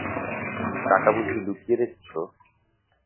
টাকা বুঝি লুকিয়ে রেখেছ?